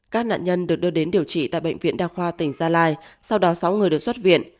các nạn nhân được đưa đến điều trị tại bệnh viện đa khoa tỉnh gia lai sau đó sáu người được xuất viện